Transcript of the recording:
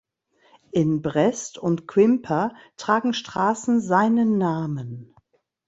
In Brest und Quimper tragen Straßen seinen Namen.